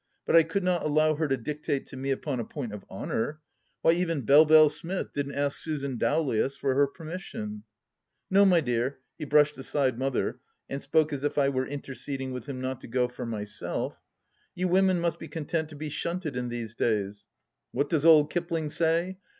But I could not allow her to dictate to me upon a point of honour. Why, even Belle Belle Smith didn't ask Susan Dowlais for her per mission !..." No, my dear "— he brushed aside Mother, and spoke as if I were interceding with him not to go, for myself —" you women must be content to be shunted in these days. What does old Kipling say